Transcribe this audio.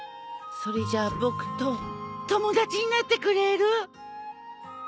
それじゃあ僕と友達になってくれる？ＯＫ。